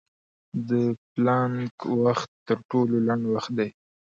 د پلانک وخت تر ټولو لنډ وخت دی.